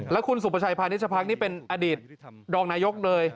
และคุณสุปชัยพานิชชะพรรคนี่เป็นอดีตดรองนายกเลย